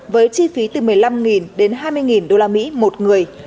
với chi phí từ một mươi năm đến hai mươi usd một người